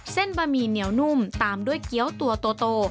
บะหมี่เหนียวนุ่มตามด้วยเกี้ยวตัวโต